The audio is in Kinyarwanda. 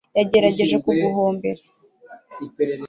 yagerageje guhobera